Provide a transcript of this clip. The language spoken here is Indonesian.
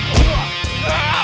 lo sudah bisa berhenti